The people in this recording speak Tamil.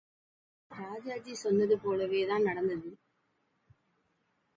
ராஜாஜி சொன்னது போலவேதான் நடந்தது.